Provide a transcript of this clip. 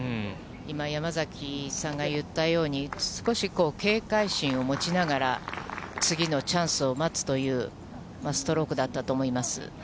今、山崎さんが言ったように、少し警戒心を持ちながら、次のチャンスを待つというストロークだったと思います。